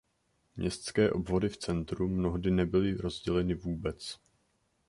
Městské obvody v centru mnohdy nebyly rozděleny vůbec.